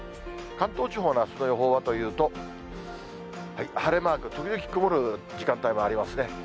関東地方のあすの予報はというと、晴れマーク、時々、曇る時間帯もありますね。